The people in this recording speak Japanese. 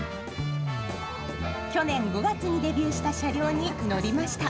去年５月にデビューした車両に乗りました。